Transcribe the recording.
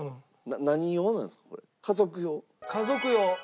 家族用。